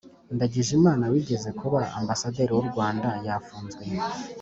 ndagijimana wigeze kuba ambasaderi w’u rwanda yafunzwe